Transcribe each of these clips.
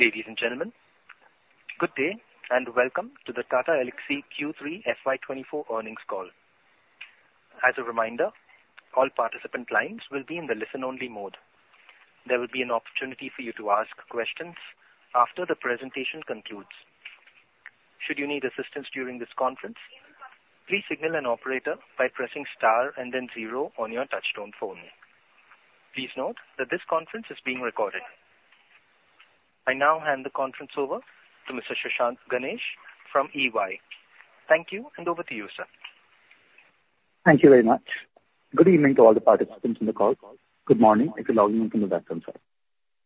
Ladies and gentlemen, good day, and welcome to the Tata Elxsi Q3 FY24 Earnings Call. As a reminder, all participant lines will be in the listen-only mode. There will be an opportunity for you to ask questions after the presentation concludes. Should you need assistance during this conference, please signal an operator by pressing star and then zero on your touchtone phone. Please note that this conference is being recorded. I now hand the conference over to Mr. Shashank Ganesh from EY. Thank you, and over to you, sir. Thank you very much. Good evening to all the participants in the call. Good morning, if you're logging in from the western side.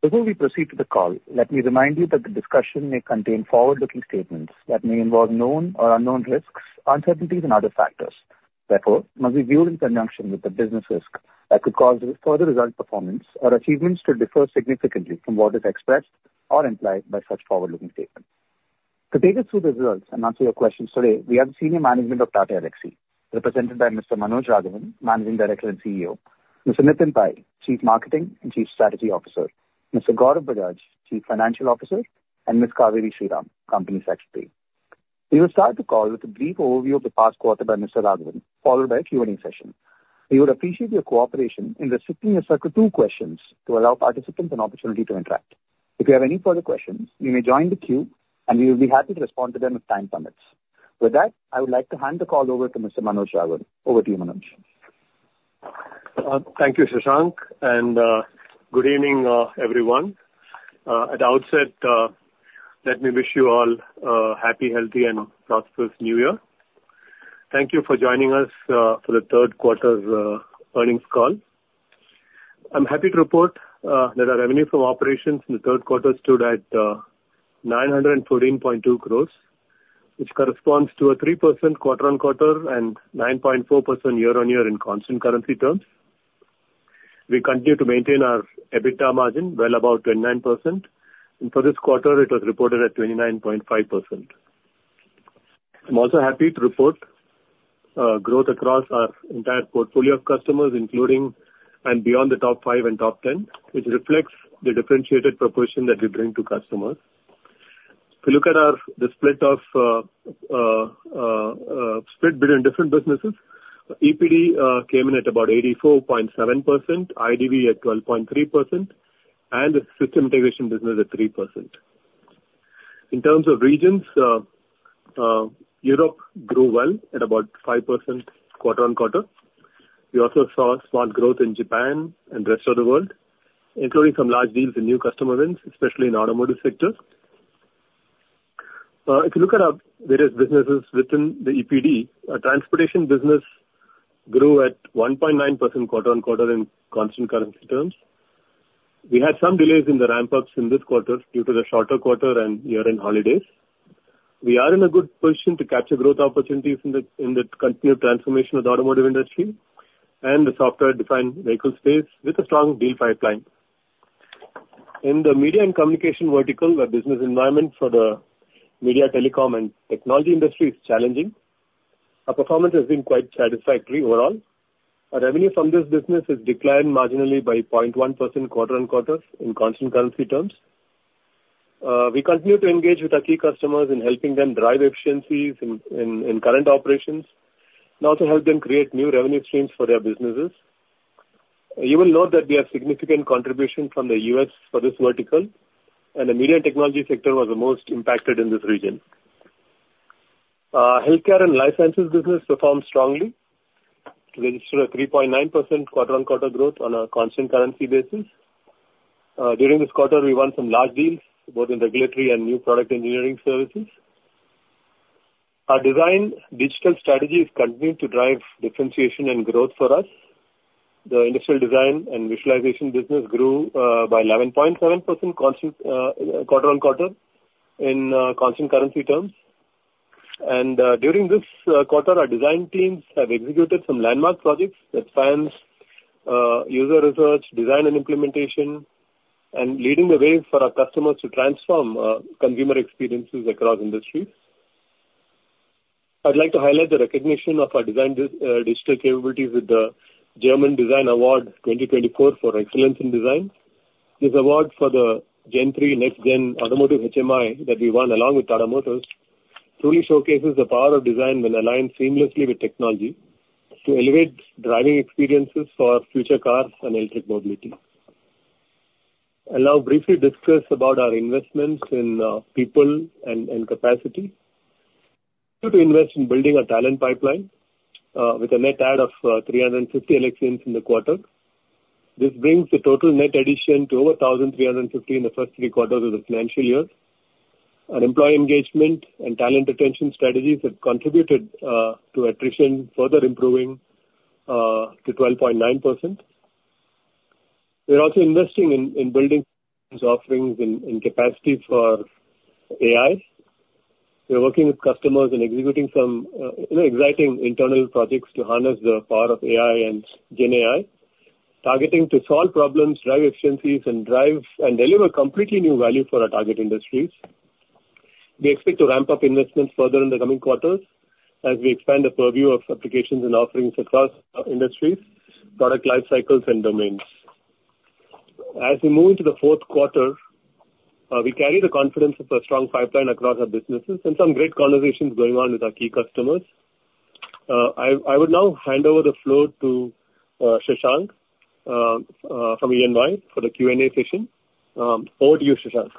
Before we proceed to the call, let me remind you that the discussion may contain forward-looking statements that may involve known or unknown risks, uncertainties and other factors. Therefore, must be viewed in conjunction with the business risk that could cause further result performance or achievements to differ significantly from what is expressed or implied by such forward-looking statements. To take us through the results and answer your questions today, we have senior management of Tata Elxsi, represented by Mr. Manoj Raghavan, Managing Director and CEO; Mr. Nitin Pai, Chief Marketing and Chief Strategy Officer; Mr. Gaurav Bajaj, Chief Financial Officer; and Ms. Cauveri Sriram, Company Secretary. We will start the call with a brief overview of the past quarter by Mr. Raghavan, followed by a Q&A session. We would appreciate your cooperation in restricting yourself to two questions to allow participants an opportunity to interact. If you have any further questions, you may join the queue and we will be happy to respond to them as time permits. With that, I would like to hand the call over to Mr. Manoj Raghavan. Over to you, Manoj. Thank you, Shashank, and good evening, everyone. At the outset, let me wish you all a happy, healthy, and prosperous New Year. Thank you for joining us for the third quarter's earnings call. I'm happy to report that our revenue from operations in the third quarter stood at 914.2 crores, which corresponds to a 3% quarter-on-quarter and 9.4% year-on-year in constant currency terms. We continue to maintain our EBITDA margin well above 29%, and for this quarter, it was reported at 29.5%. I'm also happy to report growth across our entire portfolio of customers, including and beyond the top 5 and top 10, which reflects the differentiated proposition that we bring to customers. If you look at our split between different businesses, EPD came in at about 84.7%, IDV at 12.3%, and the system integration business at 3%. In terms of regions, Europe grew well at about 5% quarter-on-quarter. We also saw small growth in Japan and rest of the world, including some large deals and new customer wins, especially in automotive sector. If you look at our various businesses within the EPD, our transportation business grew at 1.9% quarter-on-quarter in constant currency terms. We had some delays in the ramp ups in this quarter due to the shorter quarter and year-end holidays. We are in a good position to capture growth opportunities in the continued transformation of the automotive industry and the software-defined vehicle space with a strong deal pipeline. In the media and communication vertical, the business environment for the media, telecom, and technology industry is challenging. Our performance has been quite satisfactory overall. Our revenue from this business has declined marginally by 0.1% quarter-on-quarter in constant currency terms. We continue to engage with our key customers in helping them drive efficiencies in current operations and also help them create new revenue streams for their businesses. You will note that we have significant contribution from the U.S. for this vertical, and the media and technology sector was the most impacted in this region. Healthcare and life sciences business performed strongly, registered a 3.9% quarter-over-quarter growth on a constant currency basis. During this quarter, we won some large deals, both in regulatory and new product engineering services. Our Design Digital strategy is continuing to drive differentiation and growth for us. The industrial design and visualization business grew by 11.7% constant quarter-over-quarter in constant currency terms. During this quarter, our design teams have executed some landmark projects that spans user research, design and implementation, and leading the way for our customers to transform consumer experiences across industries. I'd like to highlight the recognition of our Design Digital capabilities with the German Design Award 2024 for excellence in design. This award for the Gen 3 Next-Gen Automotive HMI that we won, along with Tata Motors, truly showcases the power of design when aligned seamlessly with technology to elevate driving experiences for future cars and electric mobility. I'll now briefly discuss about our investments in people and capacity. Continue to invest in building a talent pipeline with a net add of 350 Elxsians in the quarter. This brings the total net addition to over 1,350 in the first three quarters of the financial year. Our employee engagement and talent retention strategies have contributed to attrition, further improving to 12.9%. We're also investing in building offerings in capacity for AI. We're working with customers and executing some, you know, exciting internal projects to harness the power of AI and Gen AI, targeting to solve problems, drive efficiencies, and drive and deliver completely new value for our target industries. We expect to ramp up investments further in the coming quarters as we expand the purview of applications and offerings across industries, product life cycles and domains. As we move into the fourth quarter, we carry the confidence of a strong pipeline across our businesses and some great conversations going on with our key customers. I would now hand over the floor to Shashank from EY for the Q&A session. Over to you, Shashank.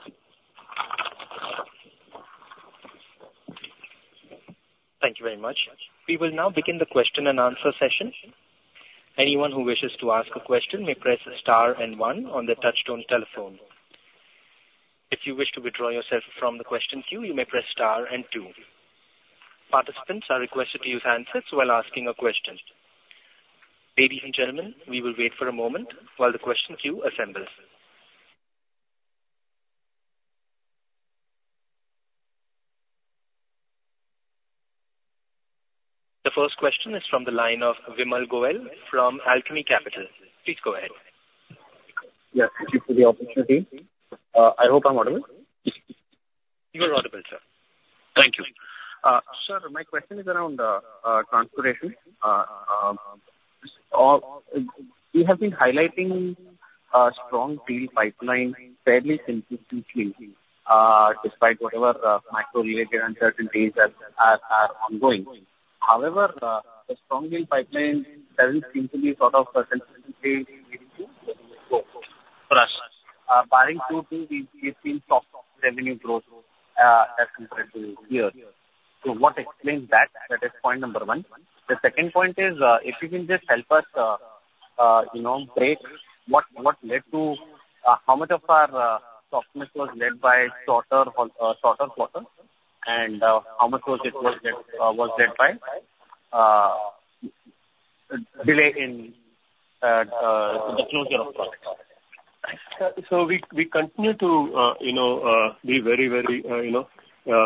Thank you very much. We will now begin the question and answer session. Anyone who wishes to ask a question may press star and one on their touch-tone telephone. If you wish to withdraw yourself from the question queue, you may press star and two. Participants are requested to use handsets while asking a question. Ladies and gentlemen, we will wait for a moment while the question queue assembles. The first question is from the line of Vimal Gohil from Alchemy Capital. Please go ahead. Yes, thank you for the opportunity. I hope I'm audible? You are audible, sir. Thank you. Sir, my question is around transportation. You have been highlighting a strong deal pipeline fairly consistently, despite whatever macro-related uncertainties are ongoing. However, the strong deal pipeline doesn't seem to be sort of substantially leading to growth for us. Barring two things, we've seen soft revenue growth, as compared to years. So what explains that? That is point number one. The second point is, if you can just help us, you know, break what led to how much of our softness was led by shorter quarter, and how much was led by delay in the closure of products? So we continue to, you know, be very, very, you know,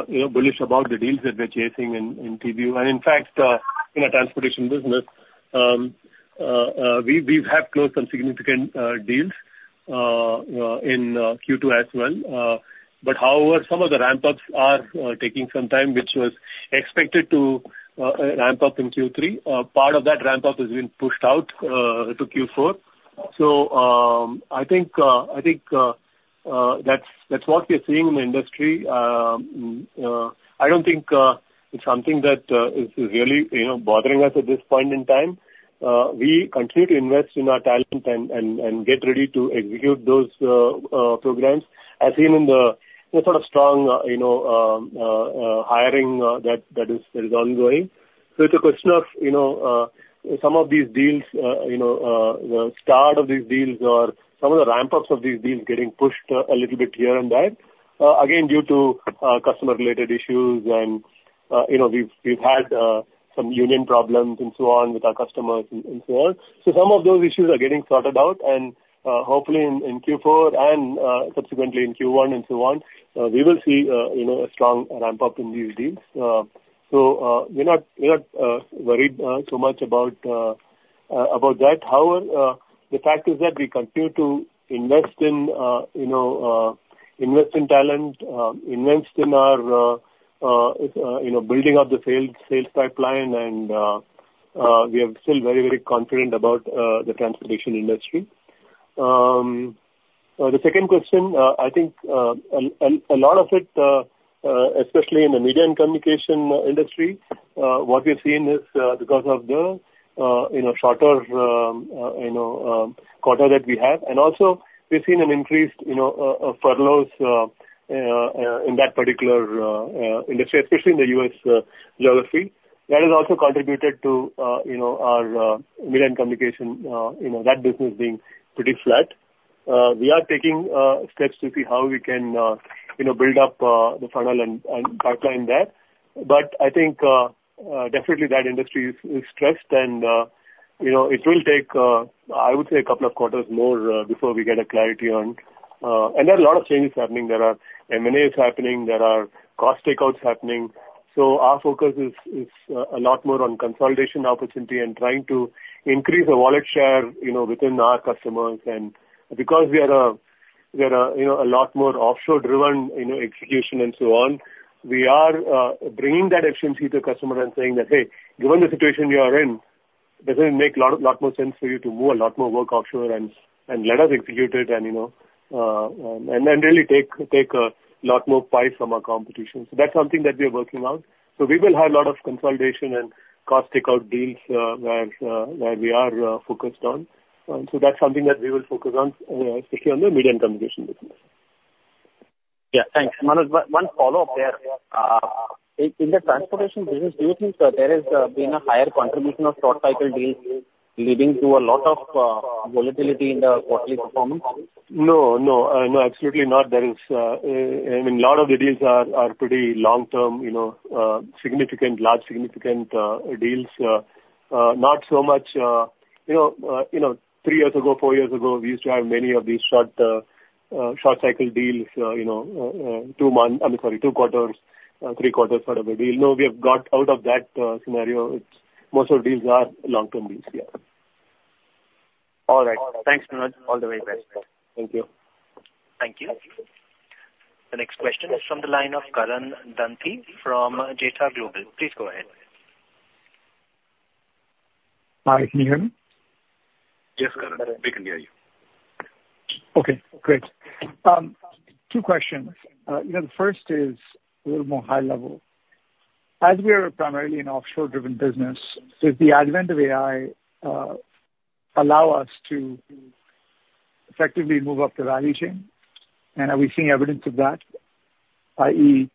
you know, bullish about the deals that we're chasing in TBU. And in fact, in a transportation business, we have closed some significant deals in Q2 as well. But however, some of the ramp ups are taking some time, which was expected to ramp up in Q3. Part of that ramp up has been pushed out to Q4. So, I think, that's what we are seeing in the industry. I don't think it's something that is really, you know, bothering us at this point in time. We continue to invest in our talent and get ready to execute those programs, as seen in the sort of strong, you know, hiring that is ongoing. So it's a question of, you know, some of these deals, you know, the start of these deals or some of the ramp ups of these deals getting pushed a little bit here and there, again, due to customer-related issues. And, you know, we've had some union problems and so on with our customers and so on. So some of those issues are getting sorted out, and, hopefully in Q4 and, subsequently in Q1 and so on, we will see, you know, a strong ramp up in these deals. So, we're not, we're not worried so much about that. However, the fact is that we continue to invest in, you know, invest in talent, invest in our, you know, building up the sales pipeline and, we are still very, very confident about the transportation industry. The second question, I think, a lot of it, especially in the media and communication industry, what we've seen is, because of the, you know, shorter, you know, quarter that we have, and also we've seen an increased, you know, furloughs in that particular industry, especially in the U.S. geography. That has also contributed to, you know, our, media and communication, you know, that business being pretty flat. We are taking, steps to see how we can, you know, build up, the funnel and, and pipeline there. But I think, definitely that industry is stressed and, you know, it will take, I would say, a couple of quarters more, before we get a clarity on. And there are a lot of changes happening. There are M&As happening, there are cost takeouts happening. So our focus is, a lot more on consolidation opportunity and trying to increase the wallet share, you know, within our customers. And because we are, you know, a lot more offshore-driven, you know, execution and so on, we are bringing that efficiency to the customer and saying that, "Hey, given the situation you are in, doesn't it make a lot more sense for you to move a lot more work offshore and let us execute it?" And, you know, and then really take a lot more pie from our competition. So that's something that we are working on. So we will have a lot of consolidation and cost takeout deals, where we are focused on. So that's something that we will focus on, especially on the media and communication business. Yeah, thanks, Manoj. One follow up there. In the transportation business, do you think there has been a higher contribution of short cycle deals leading to a lot of volatility in the quarterly performance? No, no, no, absolutely not. There is, I mean, a lot of the deals are pretty long-term, you know, significant, large significant deals. Not so much, you know, you know, three years ago, four years ago, we used to have many of these short cycle deals, you know, two months... I mean, sorry, two quarters, three quarters for a deal. No, we have got out of that scenario. It's most of the deals are long-term deals, yeah. All right. Thanks, Manoj. All the very best. Thank you. Thank you. The next question is from the line of Karran Danthi from Jetha Global. Please go ahead. Hi, can you hear me? Yes, Karran, we can hear you. Okay, great. Two questions. You know, the first is a little more high level. As we are primarily an offshore-driven business, does the advent of AI allow us to effectively move up the value chain? And are we seeing evidence of that, i.e.,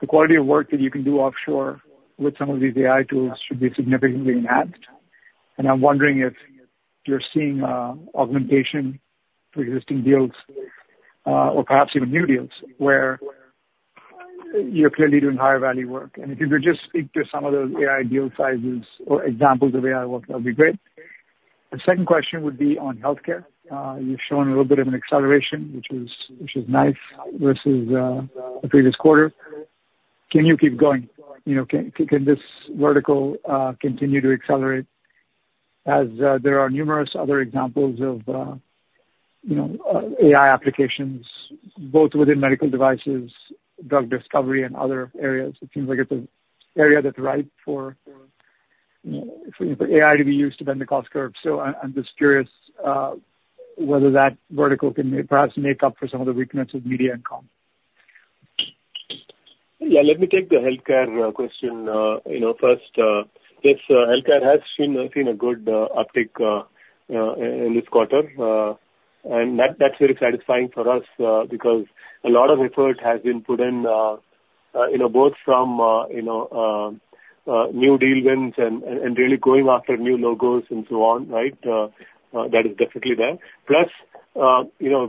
the quality of work that you can do offshore with some of these AI tools should be significantly enhanced. And I'm wondering if you're seeing augmentation for existing deals or perhaps even new deals where you're clearly doing higher value work. And if you could just speak to some of those AI deal sizes or examples of AI work, that'd be great. The second question would be on healthcare. You've shown a little bit of an acceleration, which is nice, versus the previous quarter. Can you keep going? You know, can this vertical continue to accelerate as there are numerous other examples of you know, AI applications, both within medical devices, drug discovery, and other areas? It seems like it's an area that's ripe for you know, for AI to be used to bend the cost curve. So I'm just curious whether that vertical can perhaps make up for some of the weakness of media and comms. Yeah, let me take the healthcare question, you know, first. Yes, healthcare has seen a good uptick in this quarter. And that's very satisfying for us because a lot of effort has been put in, you know, both from you know, new deal wins and really going after new logos and so on, right? That is definitely there. Plus, you know,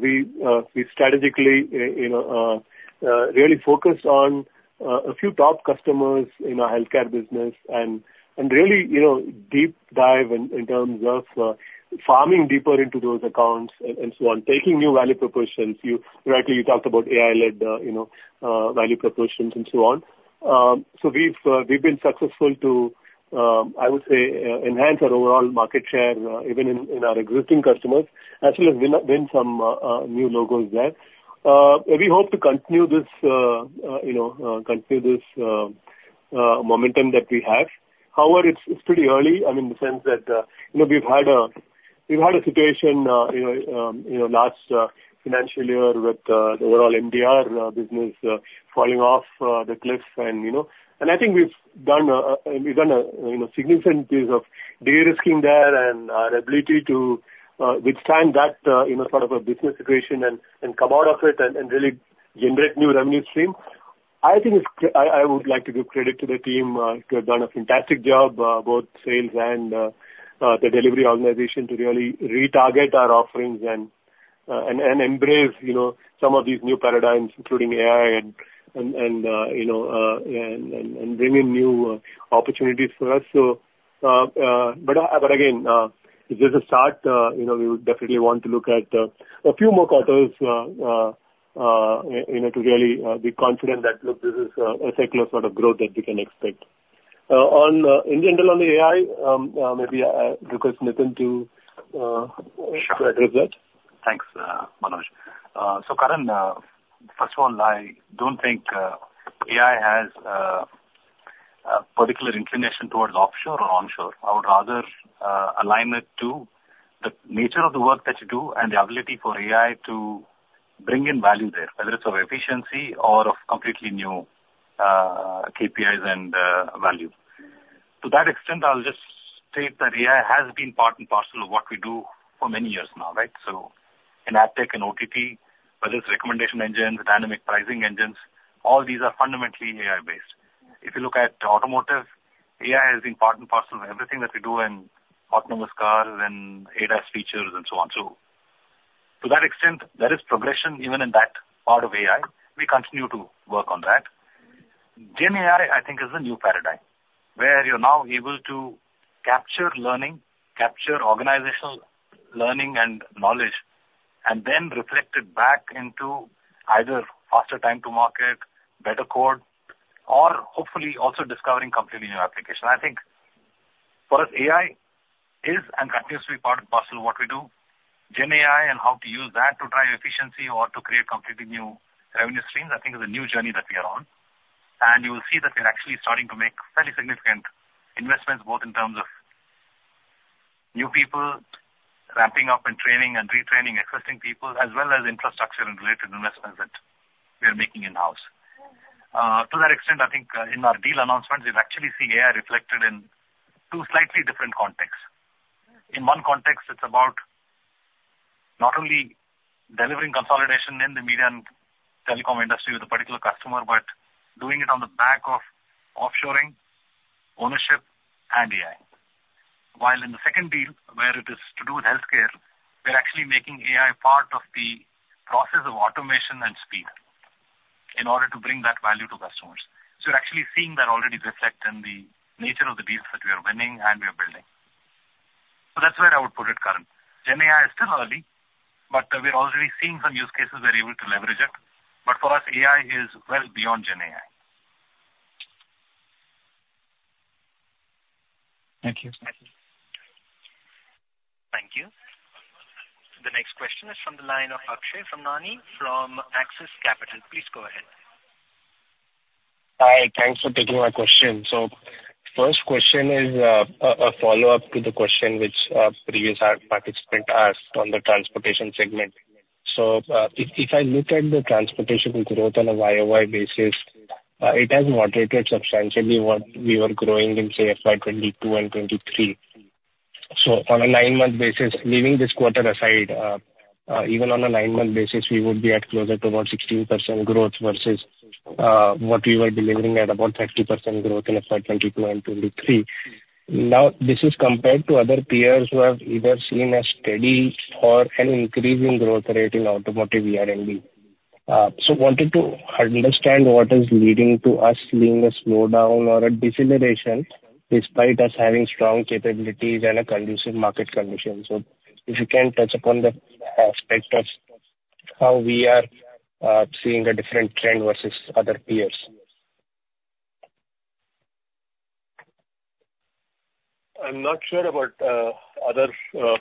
we strategically, you know, really focus on a few top customers in our healthcare business and really, you know, deep dive in terms of farming deeper into those accounts and so on, taking new value propositions. You rightly talked about AI-led you know value propositions and so on. So we've been successful to, I would say, enhance our overall market share, even in our existing customers, as well as win some new logos there. We hope to continue this, you know, continue this momentum that we have. However, it's pretty early, I mean, in the sense that, you know, we've had a situation, you know, last financial year with the overall MDR business falling off the cliffs and, you know... And I think we've done a significant piece of de-risking there and our ability to withstand that, you know, sort of a business situation and come out of it and really generate new revenue stream. I think it's... I would like to give credit to the team who have done a fantastic job, both sales and the delivery organization, to really retarget our offerings and embrace, you know, some of these new paradigms, including AI and, you know, bring in new opportunities for us. So, but again, it's just a start. You know, we would definitely want to look at a few more quarters, you know, to really be confident that, look, this is a secular sort of growth that we can expect. In general, on the AI, maybe I request Nitin to address that. Thanks, Manoj. So Karan, first of all, I don't think AI has a particular inclination towards offshore or onshore. I would rather align it to the nature of the work that you do and the ability for AI to bring in value there, whether it's of efficiency or of completely new KPIs and value. To that extent, I'll just state that AI has been part and parcel of what we do for many years now, right? So in AdTech and OTT, whether it's recommendation engines, dynamic pricing engines, all these are fundamentally AI-based. If you look at automotive, AI has been part and parcel of everything that we do in autonomous cars and ADAS features and so on. So to that extent, there is progression even in that part of AI. We continue to work on that. Gen AI, I think, is a new paradigm, where you're now able to capture learning, capture organizational learning and knowledge, and then reflect it back into either faster time to market, better code, or hopefully also discovering completely new application. I think for us, AI is and continues to be part and parcel of what we do. Gen AI and how to use that to drive efficiency or to create completely new revenue streams, I think, is a new journey that we are on. And you will see that we're actually starting to make fairly significant investments, both in terms of new people, ramping up and training and retraining existing people, as well as infrastructure and related investments that we are making in-house. To that extent, I think, in our deal announcements, you've actually seen AI reflected in two slightly different contexts. In one context, it's about not only delivering consolidation in the media and telecom industry with a particular customer, but doing it on the back of offshoring, ownership, and AI. While in the second deal, where it is to do with healthcare, we're actually making AI part of the process of automation and speed in order to bring that value to customers. So we're actually seeing that already reflect in the nature of the deals that we are winning and we are building. So that's where I would put it, Karan. Gen AI is still early, but we're already seeing some use cases we're able to leverage it. But for us, AI is well beyond Gen AI.... Thank you. Thank you. The next question is from the line of Akshay Ramnani, from Axis Capital. Please go ahead. Hi. Thanks for taking my question. So first question is, a follow-up to the question which previous participant asked on the transportation segment. So, if I look at the transportation growth on a YoY basis, it has moderated substantially what we were growing in, say, FY 2022 and 2023. So on a nine-month basis, leaving this quarter aside, even on a nine-month basis, we would be at closer to about 16% growth versus what we were delivering at about 30% growth in FY 2022 and 2023. Now, this is compared to other peers who have either seen a steady or an increasing growth rate in automotive year-end. So wanted to understand what is leading to us seeing a slowdown or a deceleration, despite us having strong capabilities and a conducive market conditions. If you can touch upon the aspect of how we are seeing a different trend versus other peers. I'm not sure about other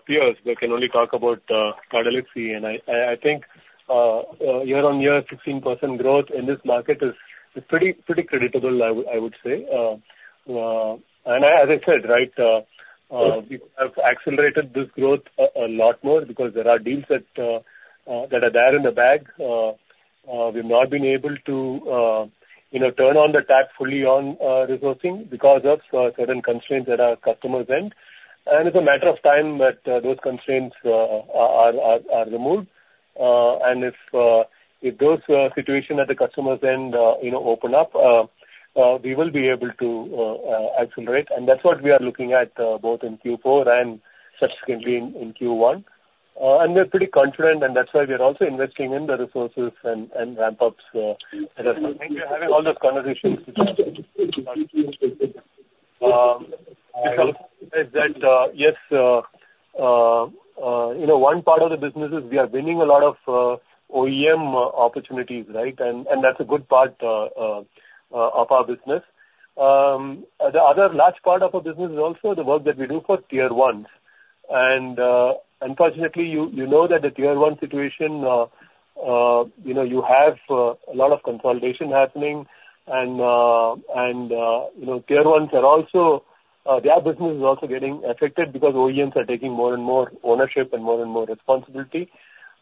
peers. We can only talk about Tata Elxsi, and I think year-on-year 16% growth in this market is pretty creditable, I would say. And as I said, right, we have accelerated this growth a lot more because there are deals that are there in the bag. We've not been able to, you know, turn on the tap fully on resourcing because of certain constraints at our customers' end. And it's a matter of time that those constraints are removed. And if those situation at the customers' end, you know, open up, we will be able to accelerate. And that's what we are looking at both in Q4 and subsequently in Q1. And we're pretty confident, and that's why we are also investing in the resources and ramp ups. We are having all those conversations. Yes, you know, one part of the business is we are winning a lot of OEM opportunities, right? And that's a good part of our business. The other large part of our business is also the work that we do for Tier 1. Unfortunately, you know that the Tier 1 situation, you know, you have a lot of consolidation happening, and you know, Tier 1s are also their business is also getting affected because OEMs are taking more and more ownership and more and more responsibility.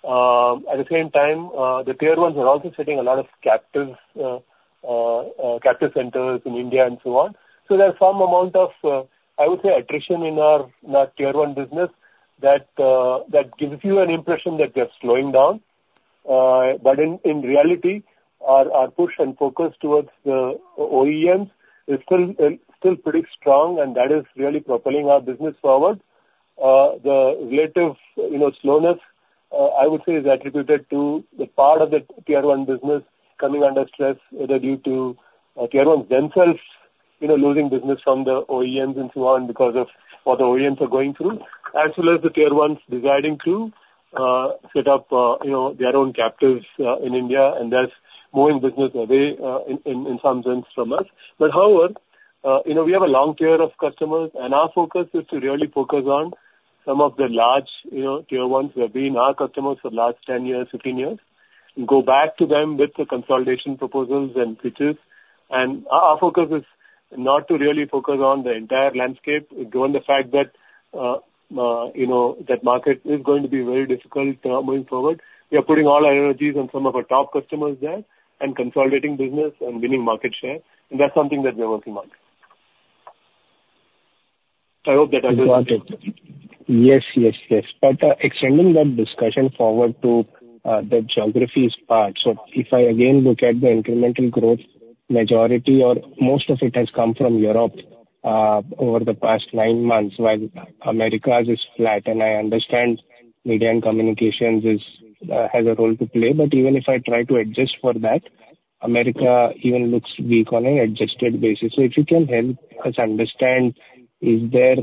At the same time, the Tier 1s are also setting a lot of captive centers in India and so on. So there are some amount of, I would say, attrition in our Tier 1 business that that gives you an impression that we are slowing down. But in reality, our push and focus towards the OEMs is still pretty strong, and that is really propelling our business forward. The relative, you know, slowness, I would say, is attributed to the part of the Tier 1 business coming under stress, either due to Tier 1 themselves, you know, losing business from the OEMs and so on, because of what the OEMs are going through, as well as the Tier 1s deciding to set up, you know, their own captives in India, and thus moving business away in some sense from us. But however, you know, we have a long tier of customers, and our focus is to really focus on some of the large, you know, Tier 1 who have been our customers for the last 10 years, 15 years, and go back to them with the consolidation proposals and pitches. And our focus is not to really focus on the entire landscape, given the fact that, you know, that market is going to be very difficult, moving forward. We are putting all our energies on some of our top customers there and consolidating business and winning market share, and that's something that we are working on. I hope that answers- Got it. Yes, yes, yes. But, extending that discussion forward to the geographies part. So if I again look at the incremental growth, majority or most of it has come from Europe over the past nine months, while Americas is flat. And I understand media and communications has a role to play, but even if I try to adjust for that, America even looks weak on an adjusted basis. So if you can help us understand, is there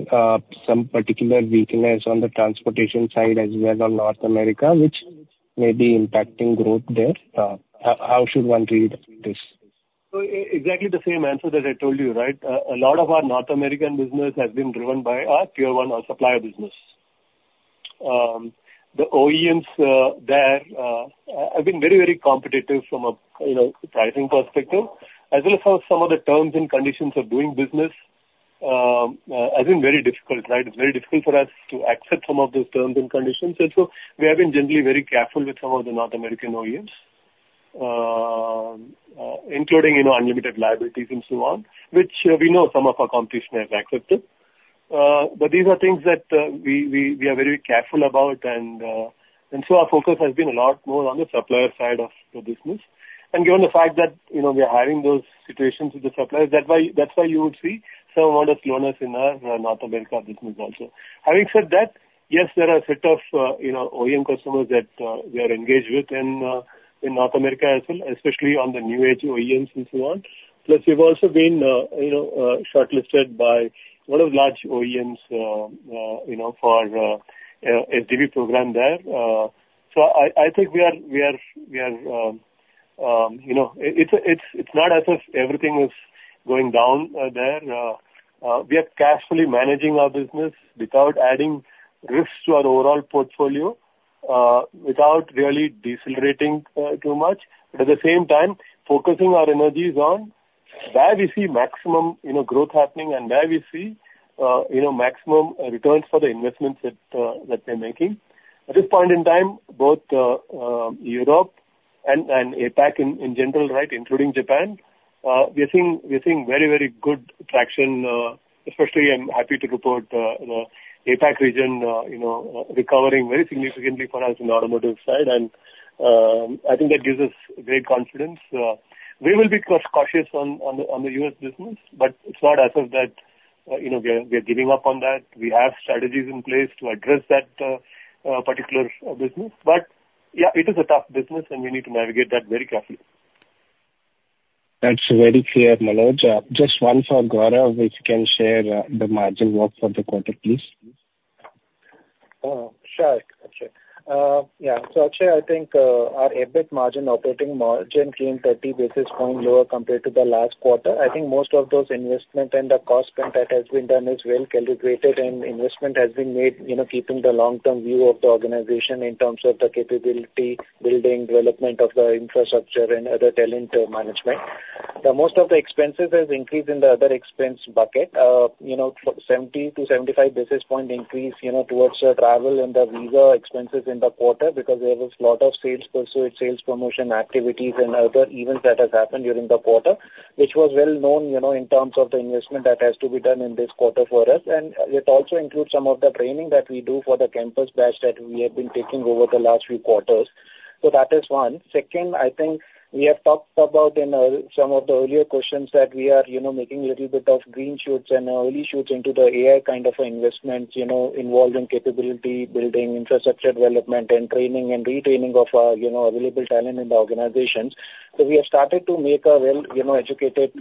some particular weakness on the transportation side as well as on North America, which may be impacting growth there? How should one read this? So exactly the same answer that I told you, right? A lot of our North American business has been driven by our Tier 1, our supplier business. The OEMs there have been very, very competitive from a, you know, pricing perspective, as well as for some of the terms and conditions of doing business, has been very difficult, right? It's very difficult for us to accept some of those terms and conditions. And so we have been generally very careful with some of the North American OEMs, including, you know, unlimited liabilities and so on, which we know some of our competition has accepted. But these are things that we are very careful about and so our focus has been a lot more on the supplier side of the business. Given the fact that, you know, we are having those situations with the suppliers, that's why, that's why you would see some of the slowness in our North America business also. Having said that, yes, there are a set of, you know, OEM customers that we are engaged with in North America as well, especially on the new age OEMs and so on. Plus, we've also been, you know, shortlisted by one of large OEMs, you know, for a SDV program there. So I think we are, you know, it's not as if everything is going down there. We are carefully managing our business without adding risks to our overall portfolio, without really decelerating too much, but at the same time, focusing our energies on where we see maximum, you know, growth happening and where we see, you know, maximum returns for the investments that we're making. At this point in time, both Europe and APAC in general, right, including Japan, we're seeing very, very good traction. Especially, I'm happy to report, you know, APAC region recovering very significantly for us in the automotive side, and I think that gives us great confidence. We will be cautious on the U.S. business, but it's not as if that, you know, we are giving up on that. We have strategies in place to address that particular business. But yeah, it is a tough business, and we need to navigate that very carefully. That's very clear, Manoj. Just one for Gaurav, if you can share the margin work for the quarter, please. Sure. Okay. Yeah, so actually, I think, our EBIT margin, operating margin came 30 basis point lower compared to the last quarter. I think most of those investment and the cost cut that has been done is well calibrated, and investment has been made, you know, keeping the long-term view of the organization in terms of the capability, building, development of the infrastructure and other talent management. The most of the expenses has increased in the other expense bucket. You know, 70-75 basis point increase, you know, towards the travel and the visa expenses in the quarter because there was a lot of sales pursuit, sales promotion activities and other events that has happened during the quarter. Which was well known, you know, in terms of the investment that has to be done in this quarter for us. It also includes some of the training that we do for the campus batch that we have been taking over the last few quarters. So that is one. Second, I think we have talked about in some of the earlier questions that we are, you know, making a little bit of green shoots and early shoots into the AI kind of investments, you know, involved in capability building, infrastructure development, and training and retraining of our, you know, available talent in the organizations. So we have started to make a well, you know, educated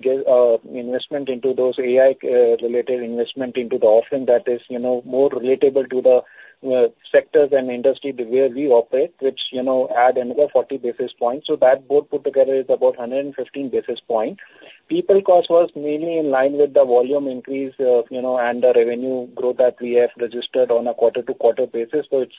investment into those AI related investment into the option that is, you know, more relatable to the sectors and industry where we operate, which, you know, add another 40 basis points. So that both put together is about 115 basis points. People cost was mainly in line with the volume increase, you know, and the revenue growth that we have registered on a quarter-to-quarter basis. So it's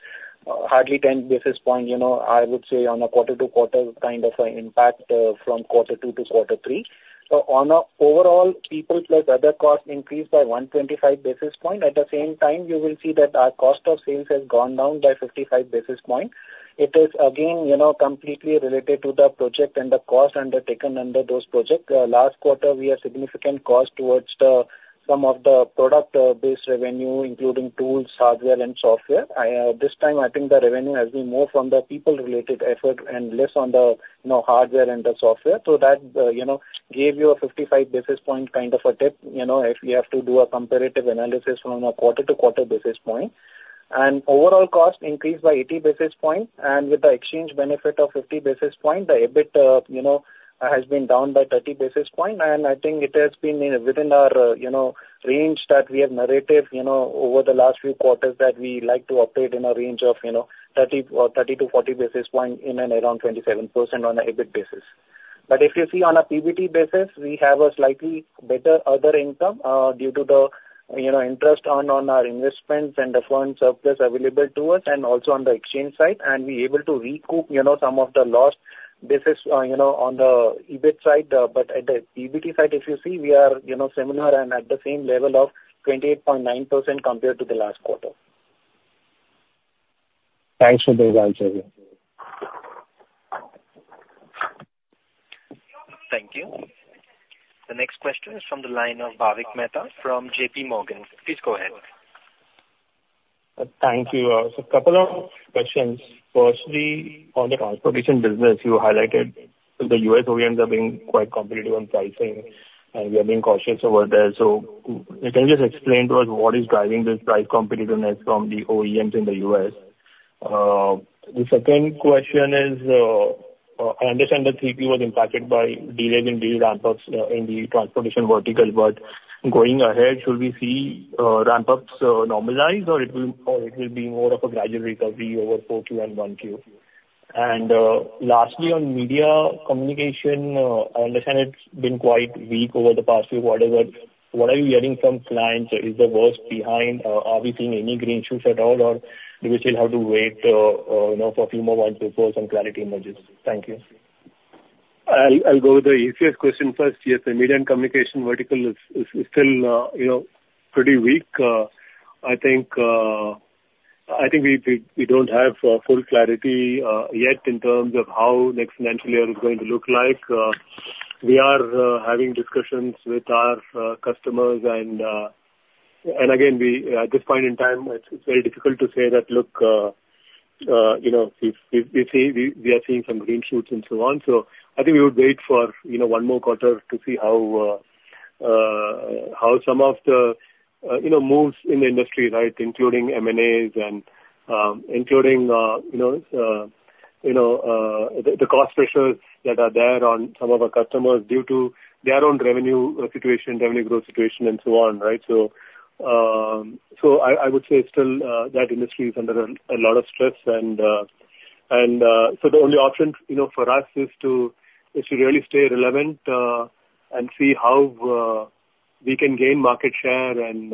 hardly 10 basis points, you know, I would say on a quarter-to-quarter kind of an impact, from quarter two to quarter three. So overall, people plus other costs increased by 125 basis points. At the same time, you will see that our cost of sales has gone down by 55 basis points. It is again, you know, completely related to the project and the cost undertaken under those projects. Last quarter, we had significant cost towards the, some of the product base revenue, including tools, hardware and software. This time I think the revenue has been more from the people-related effort and less on the, you know, hardware and the software. So that, you know, gave you a 55 basis point, kind of a tip, you know, if you have to do a comparative analysis from a quarter-to-quarter basis point. And overall cost increased by 80 basis point, and with the exchange benefit of 50 basis point, the EBIT, you know, has been down by 30 basis point. And I think it has been within our, you know, range that we have narrated, you know, over the last few quarters, that we like to operate in a range of, you know, 30 or 30-40 basis point in and around 27% on a EBIT basis. But if you see on a PBT basis, we have a slightly better other income, due to the, you know, interest earn on our investments and the foreign surplus available to us and also on the exchange side, and we able to recoup, you know, some of the loss basis, you know, on the EBIT side. But at the PBT side, if you see, we are, you know, similar and at the same level of 28.9% compared to the last quarter. Thanks for the answer. Thank you. The next question is from the line of Bhavik Mehta from J.P. Morgan. Please go ahead. Thank you. So a couple of questions. Firstly, on the transportation business, you highlighted that the U.S. OEMs are being quite competitive on pricing, and you are being cautious over there. So can you just explain to us what is driving this price competitiveness from the OEMs in the U.S.? The second question is, I understand that 3Q was impacted by delay in the ramp-ups in the transportation vertical, but going ahead, should we see ramp-ups normalize, or it will be more of a gradual recovery over 4Q and 1Q? And lastly, on media communication, I understand it's been quite weak over the past few quarters, but what are you hearing from clients? Is the worst behind? Are we seeing any green shoots at all, or do we still have to wait, you know, for a few more months before some clarity emerges? Thank you. I'll go with the easiest question first. Yes, the media and communication vertical is still, you know, pretty weak. I think we don't have full clarity yet in terms of how next financial year is going to look like. We are having discussions with our customers, and again, we, at this point in time, it's very difficult to say that, look, you know, we see- we are seeing some green shoots and so on. So I think we would wait for, you know, one more quarter to see how some of the, you know, moves in the industry, right, including M&As and, including, you know, the cost pressures that are there on some of our customers due to their own revenue situation, revenue growth situation, and so on, right? So, so I would say still, that industry is under a lot of stress. And so the only option, you know, for us is to really stay relevant, and see how we can gain market share and,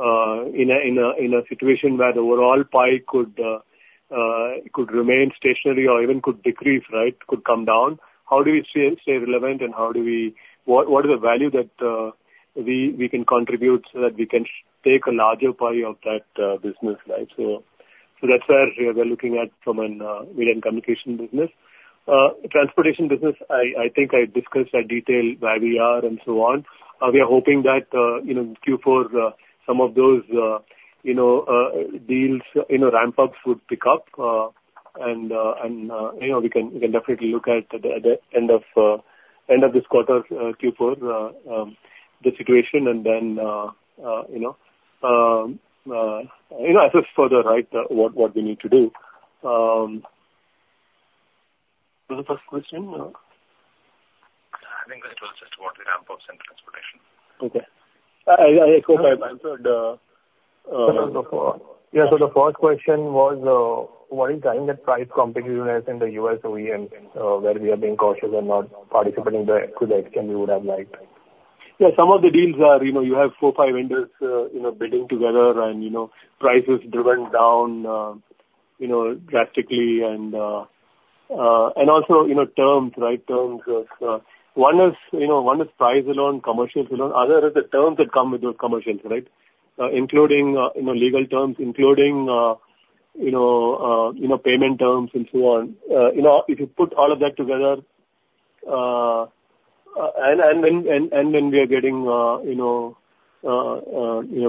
in a situation where the overall pie could remain stationary or even could decrease, right? Could come down. How do we stay relevant and how do we—what is the value that we can contribute so that we can take a larger pie of that business, right? So that's where we are looking at from a vehicle communication business. Transportation business, I think I discussed in detail where we are and so on. We are hoping that, you know, Q4, some of those, you know, deals, you know, ramp ups would pick up, and, and, you know, we can definitely look at the end of this quarter, Q4, the situation and then, you know, assess further, right, what we need to do. Was that the first question? I think it was just about the ramp ups and transportation. Okay. I hope I've answered, Yeah. So the first question was, what is driving the price competitiveness in the U.S. OEM, where we are being cautious and not participating there to the extent we would have liked? Yeah, some of the deals are, you know, you have four, five vendors, you know, bidding together and, you know, prices driven down, you know, drastically and also, you know, terms, right? Terms of, one is, you know, one is price alone, commercials alone, other is the terms that come with those commercials, right? You know, if you put all of that together, and when we are getting, you know,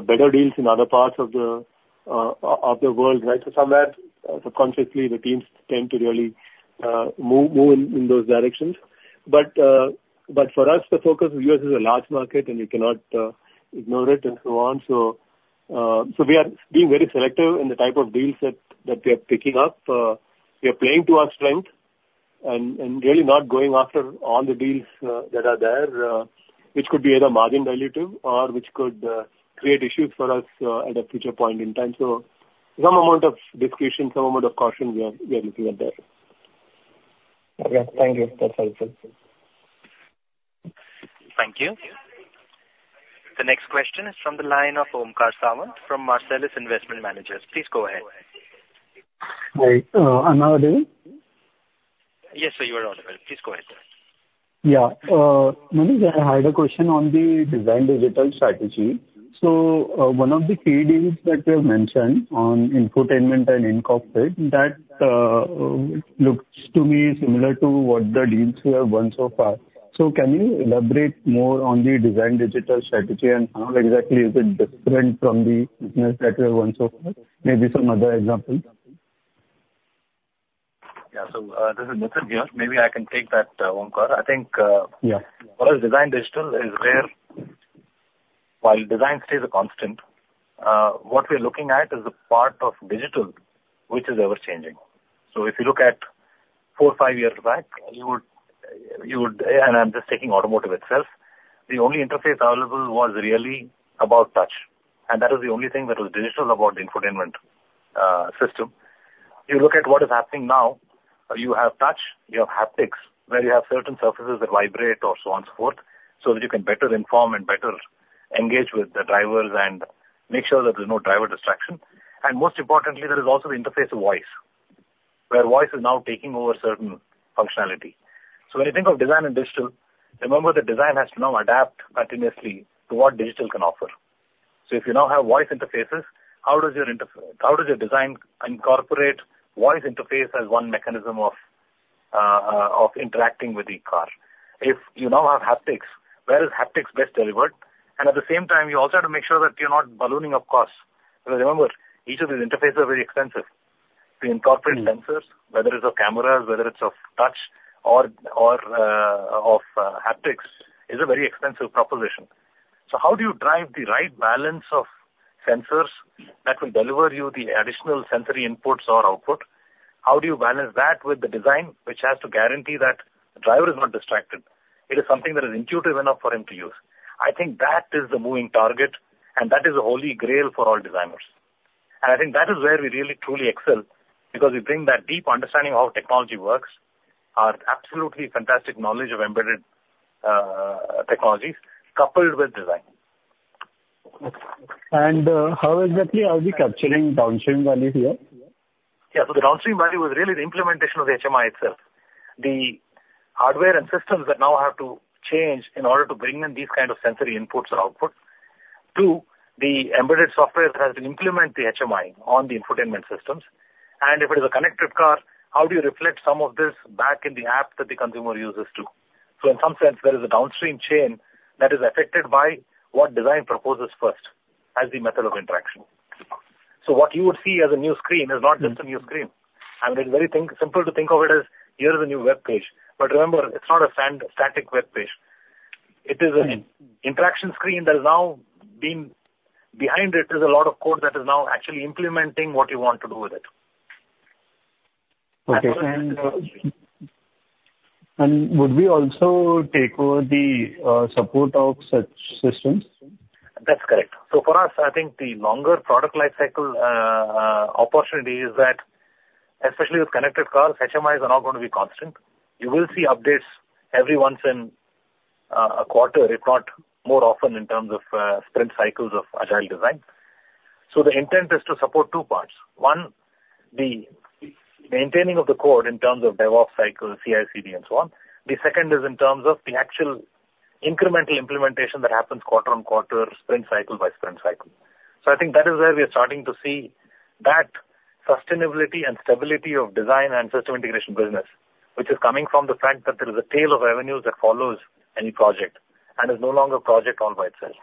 better deals in other parts of the world, right? So somewhere, subconsciously, the teams tend to really move in those directions. But, but for us, the focus of U.S. is a large market and you cannot ignore it and so on. So, so we are being very selective in the type of deals that, that we are picking up. We are playing to our strength and, and really not going after all the deals that are there, which could be either margin dilutive or which could create issues for us at a future point in time. So some amount of discretion, some amount of caution we are, we are looking at there. Okay, thank you. That's all. Thank you. The next question is from the line of Omkar Sawant from Marcellus Investment Managers. Please go ahead. Hi, am I audible? Yes, sir, you are audible. Please go ahead. Yeah. Manish, I had a question on the Design Digital strategy. So, one of the key deals that you have mentioned on infotainment and in-cockpit, that looks to me similar to what the deals we have won so far. So can you elaborate more on the Design Digital strategy and how exactly is it different from the business that you have won so far? Maybe some other example. Yeah. So, this is Nitin here. Maybe I can take that, Omkar. I think, Yeah. For us, Design Digital is where while design stays a constant, what we're looking at is the part of digital which is ever changing. So if you look at four, five years back, you would. And I'm just taking automotive itself. The only interface available was really about touch, and that was the only thing that was digital about the infotainment system. You look at what is happening now, you have touch, you have haptics, where you have certain surfaces that vibrate or so on and so forth, so that you can better inform and better engage with the drivers and make sure that there's no driver distraction. And most importantly, there is also the interface of voice, where voice is now taking over certain functionality. So when you think of design and digital, remember the design has to now adapt continuously to what digital can offer. So if you now have voice interfaces, how does your interface, how does your design incorporate voice interface as one mechanism of interacting with the car? If you now have haptics, where is haptics best delivered? And at the same time, you also have to make sure that you're not ballooning up costs. Because remember, each of these interfaces are very expensive. To incorporate sensors, whether it's of cameras, whether it's of touch or of haptics, is a very expensive proposition. So how do you drive the right balance of sensors that will deliver you the additional sensory inputs or output? How do you balance that with the design, which has to guarantee that the driver is not distracted, it is something that is intuitive enough for him to use? I think that is the moving target, and that is the holy grail for all designers. And I think that is where we really, truly excel, because we bring that deep understanding of how technology works, our absolutely fantastic knowledge of embedded, technologies, coupled with design. How exactly are we capturing downstream value here? Yeah. So the downstream value is really the implementation of the HMI itself. The hardware and systems that now have to change in order to bring in these kind of sensory inputs and outputs to the embedded software that has to implement the HMI on the infotainment systems. And if it is a connected car, how do you reflect some of this back in the app that the consumer uses, too? So in some sense, there is a downstream chain that is affected by what design proposes first as the method of interaction. So what you would see as a new screen is not just a new screen. And it's very simple to think of it as, here is a new web page. But remember, it's not a static web page. It is an interaction screen that is now being... Behind it is a lot of code that is now actually implementing what you want to do with it. Okay, and-... And would we also take over the support of such systems? That's correct. So for us, I think the longer product life cycle, opportunity is that especially with connected cars, HMIs are not going to be constant. You will see updates every once in a quarter, if not more often, in terms of sprint cycles of agile design. So the intent is to support two parts. One, the maintaining of the code in terms of DevOps cycle, CI/CD and so on. The second is in terms of the actual incremental implementation that happens quarter-on-quarter, sprint cycle by sprint cycle. So I think that is where we are starting to see that sustainability and stability of design and system integration business, which is coming from the fact that there is a tail of revenues that follows any project and is no longer project all by itself.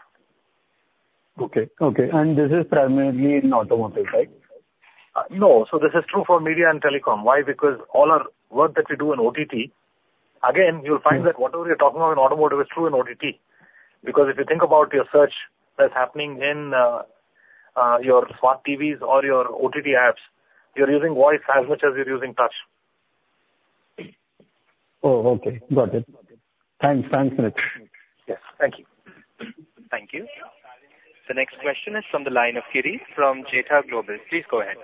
Okay. Okay. And this is primarily in automotive, right? No. So this is true for media and telecom. Why? Because all our work that we do in OTT, again, you'll find that whatever you're talking about in automotive is true in OTT, because if you think about your search that's happening in your smart TVs or your OTT apps, you're using voice as much as you're using touch. Oh, okay. Got it. Thanks. Thanks, Nitin. Yes. Thank you. Thank you. The next question is from the line of Kireet, from Jetha Global. Please go ahead.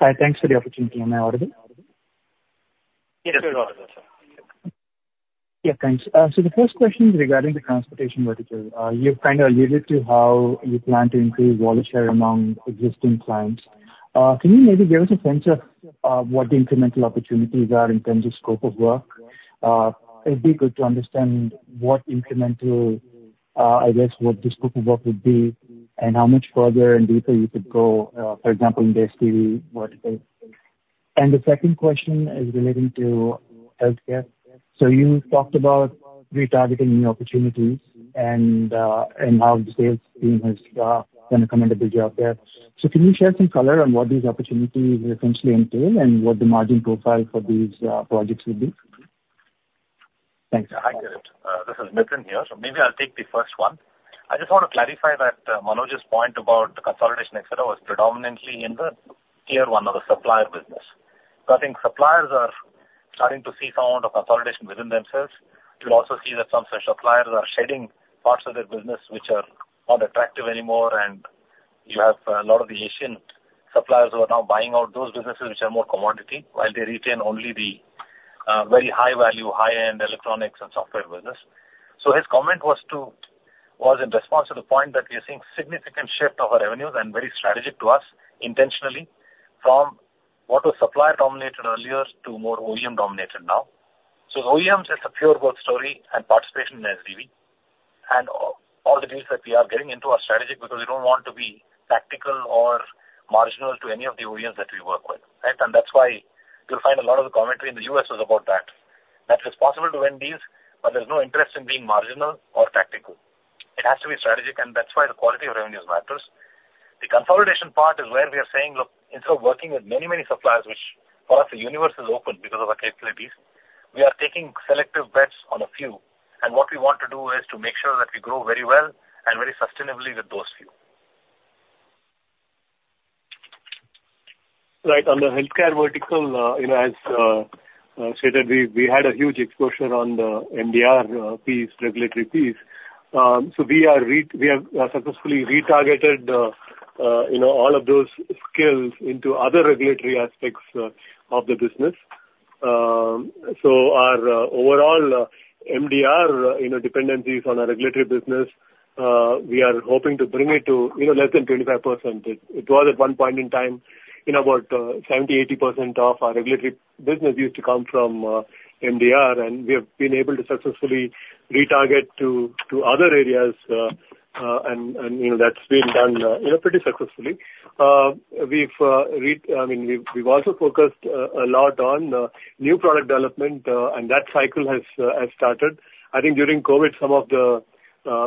Hi. Thanks for the opportunity. Am I audible? Yes, sir. Go ahead. Yeah, thanks. So the first question is regarding the transportation vertical. You've kind of alluded to how you plan to increase wallet share among existing clients. Can you maybe give us a sense of what the incremental opportunities are in terms of scope of work? It'd be good to understand what incremental, I guess, what the scope of work would be and how much further and deeper you could go, for example, in the SDV vertical. And the second question is relating to healthcare. So you talked about retargeting new opportunities and, and how the sales team has done a commendable job there. So can you share some color on what these opportunities essentially entail and what the margin profile for these projects will be? Thanks. Hi, Kireet. This is Nitin here. So maybe I'll take the first one. I just want to clarify that Manoj's point about the consolidation et cetera was predominantly in the Tier 1 of the supplier business. So I think suppliers are starting to see some amount of consolidation within themselves. You'll also see that some suppliers are shedding parts of their business which are not attractive anymore, and you have a lot of the Asian suppliers who are now buying out those businesses, which are more commodity, while they retain only the very high value, high-end electronics and software business. So his comment was in response to the point that we are seeing significant shift of our revenues and very strategic to us, intentionally, from what was supplier-dominated earlier to more OEM-dominated now. So the OEMs is a pure growth story and participation in SDV and all, all the deals that we are getting into are strategic because we don't want to be tactical or marginal to any of the OEMs that we work with, right? And that's why you'll find a lot of the commentary in the U.S. is about that, that it's possible to win deals, but there's no interest in being marginal or tactical. It has to be strategic, and that's why the quality of revenues matters. The consolidation part is where we are saying, look, instead of working with many, many suppliers, which for us, the universe is open because of our capabilities, we are taking selective bets on a few. And what we want to do is to make sure that we grow very well and very sustainably with those few. Right. On the healthcare vertical, you know, as stated, we had a huge exposure on the MDR piece, regulatory piece. So we have successfully retargeted, you know, all of those skills into other regulatory aspects of the business. So our overall MDR, you know, dependencies on our regulatory business, we are hoping to bring it to, you know, less than 25%. It was at one point in time, you know, about 70-80% of our regulatory business used to come from MDR, and we have been able to successfully retarget to other areas, and you know, that's been done, you know, pretty successfully. We've re... I mean, we've also focused a lot on new product development, and that cycle has started. I think during COVID, some of the,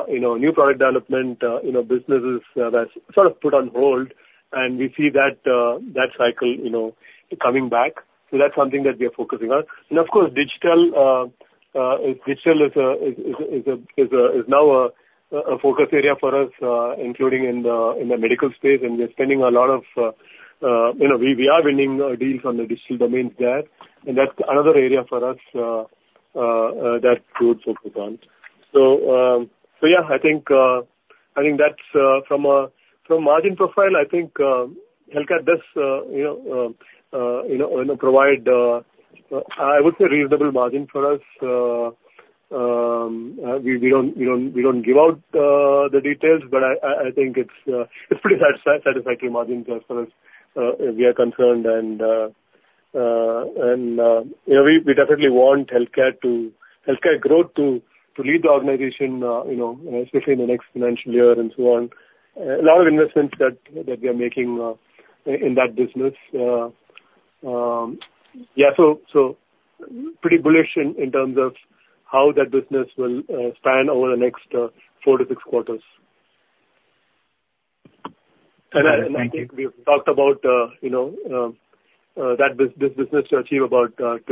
you know, new product development, you know, businesses, that's sort of put on hold and we see that, that cycle, you know, coming back. So that's something that we are focusing on. And of course, digital is now a focus area for us, including in the medical space. And we are spending a lot of, you know, we are winning deals on the digital domains there, and that's another area for us that we would focus on. So, yeah, I think that's from a margin profile, I think healthcare does, you know, provide, I would say, reasonable margin for us. We don't give out the details, but I think it's pretty satisfactory margins as far as we are concerned. And, you know, we definitely want healthcare growth to lead the organization, you know, especially in the next financial year and so on. A lot of investments that we are making in that business. Yeah, so pretty bullish in terms of how that business will span over the next four to six quarters. Thank you. And I think we've talked about, you know, this business to achieve about 20%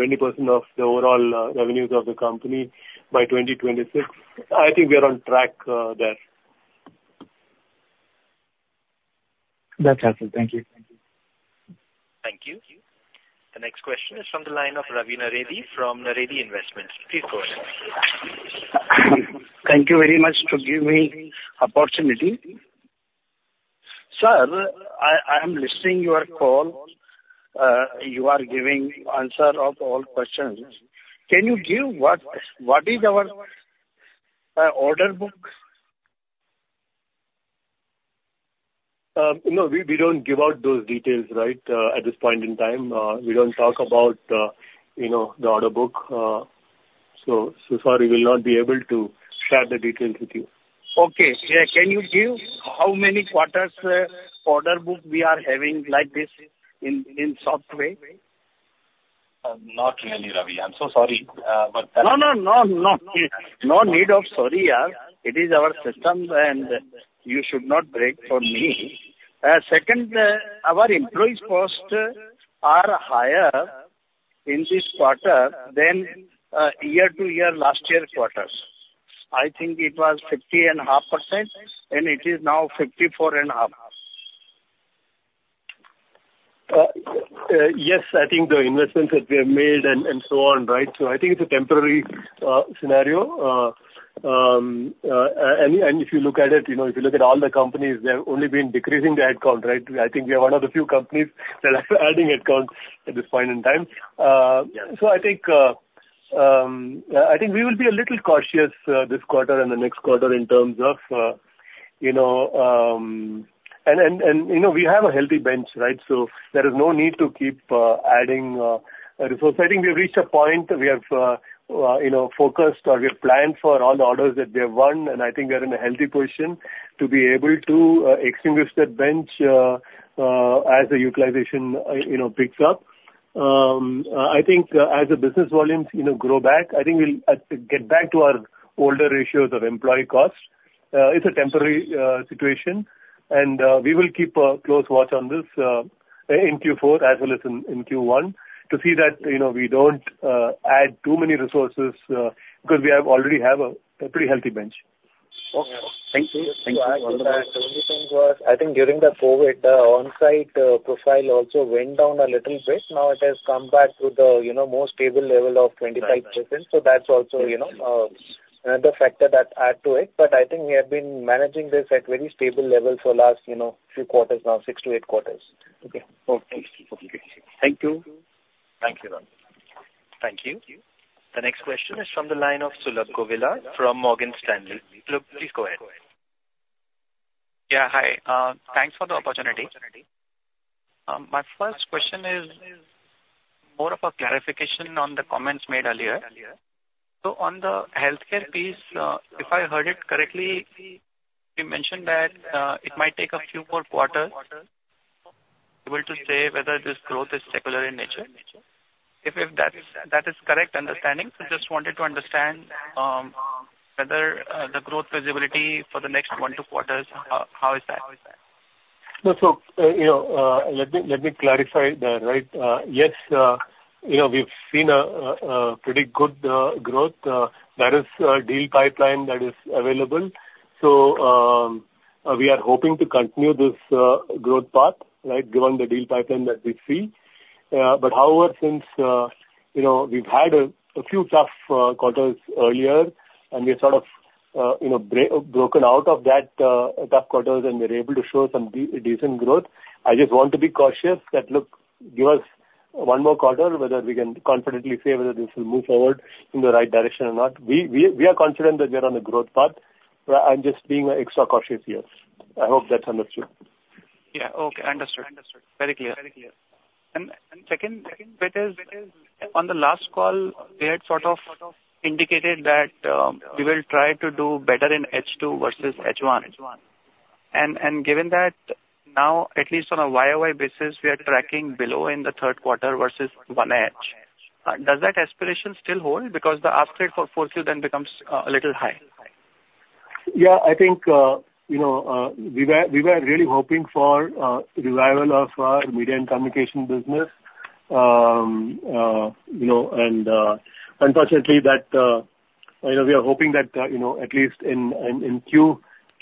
of the overall revenues of the company by 2026. I think we are on track there. That's helpful. Thank you. Thank you. The next question is from the line of Ravi Naredi from Naredi Investments. Please go ahead. Thank you very much to give me opportunity. Sir, I am listening your call. You are giving answer of all questions. Can you give what is our order book? No, we don't give out those details, right, at this point in time. We don't talk about, you know, the order book. So far we will not be able to share the details with you. Okay. Yeah, can you give how many quarters order book we are having like this in, in software? Not really, Ravi. I'm so sorry, but- No, no, no, no. No need of sorry, it is our system, and you should not break for me. Second, our employees cost are higher in this quarter than, year to year last year quarters. I think it was 50.5%, and it is now 54.5%. Yes, I think the investments that we have made and so on, right? So I think it's a temporary scenario. And if you look at it, you know, if you look at all the companies, they have only been decreasing the headcount, right? I think we are one of the few companies that are adding headcount at this point in time. So I think we will be a little cautious this quarter and the next quarter in terms of you know... And you know, we have a healthy bench, right? So there is no need to keep adding resources. I think we've reached a point. We have you know focused or we have planned for all the orders that we have won, and I think we are in a healthy position to be able to extinguish that bench as the utilization you know picks up. I think as the business volumes you know grow back, I think we'll get back to our older ratios of employee costs. It's a temporary situation, and we will keep a close watch on this in Q4 as well as in Q1 to see that you know we don't add too many resources because we have already have a pretty healthy bench. Okay. Thank you. Just to add to that, the only thing was, I think during the COVID, the onsite profile also went down a little bit. Now it has come back to the, you know, more stable level of 25%. Right. So that's also, you know, another factor that add to it. But I think we have been managing this at very stable level for last, you know, few quarters now, six to eight quarters. Okay. Okay. Thank you. Thank you, Ravi. Thank you. The next question is from the line of Sulabh Govila from Morgan Stanley. Sulabh, please go ahead. Yeah, hi. Thanks for the opportunity. My first question is more of a clarification on the comments made earlier. So on the healthcare piece, if I heard it correctly, you mentioned that it might take a few more quarters able to say whether this growth is secular in nature. If, if that's, that is correct understanding, so just wanted to understand whether the growth visibility for the next one to quarters, how is that? No, so, you know, let me, let me clarify that, right. Yes, you know, we've seen a pretty good growth that is a deal pipeline that is available. So, we are hoping to continue this growth path, right, given the deal pipeline that we see. But however, since, you know, we've had a few tough quarters earlier, and we have sort of, you know, broken out of that tough quarters, and we're able to show some decent growth, I just want to be cautious that, look, give us one more quarter whether we can confidently say whether this will move forward in the right direction or not. We are confident that we are on a growth path. I'm just being extra cautious here. I hope that's understood. Yeah. Okay, understood. Very clear. And second bit is, on the last call, we had sort of indicated that we will try to do better in H2 versus H1. And given that now, at least on a YoY basis, we are tracking below in the third quarter versus 1H, does that aspiration still hold? Because the uptick for 4Q then becomes a little high. Yeah, I think, you know, we were really hoping for revival of our media and communication business. You know, and unfortunately, that, you know, we are hoping that, you know, at least in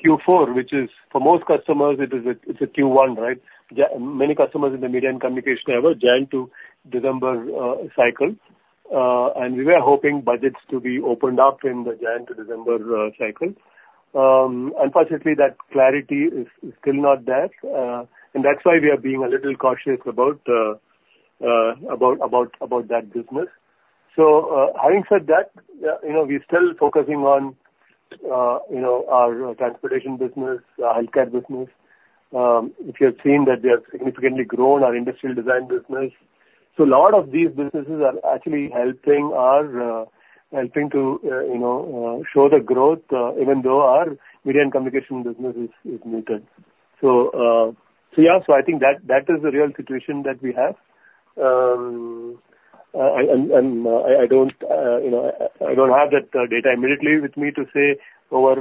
Q4, which is for most customers, it is a Q1, right? Yeah, many customers in the media and communication have a Jan to December cycle. And we were hoping budgets to be opened up in the Jan to December cycle. Unfortunately, that clarity is still not there, and that's why we are being a little cautious about that business. So, having said that, you know, we're still focusing on, you know, our transportation business, healthcare business. If you have seen that we have significantly grown our industrial design business. So a lot of these businesses are actually helping to you know show the growth even though our media and communication business is muted. So yeah, I think that is the real situation that we have. And I don't you know have that data immediately with me to say over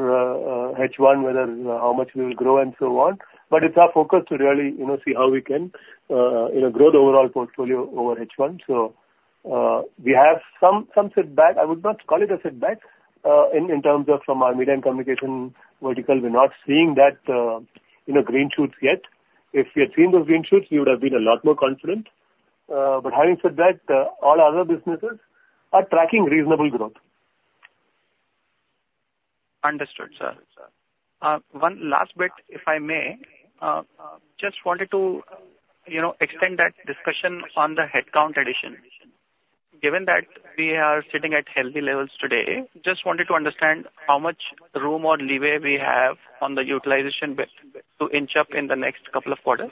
H1 whether how much we'll grow and so on. But it's our focus to really you know see how we can you know grow the overall portfolio over H1. So- ... we have some setback. I would not call it a setback in terms of from our media and communication vertical. We're not seeing that, you know, green shoots yet. If we had seen those green shoots, we would have been a lot more confident. But having said that, all other businesses are tracking reasonable growth. Understood, sir. One last bit, if I may. Just wanted to, you know, extend that discussion on the headcount addition. Given that we are sitting at healthy levels today, just wanted to understand how much room or leeway we have on the utilization bit to inch up in the next couple of quarters?